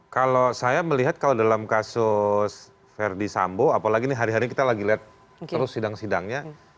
kalau saya melihat kalau dalam kasus verdi sambo apalagi ini hari hari kita lagi lihat terus sidang sidangnya